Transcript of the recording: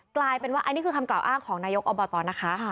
กลายเป็นว่าอันนี้คือคำกล่าวอ้างของนายกอบตนะคะ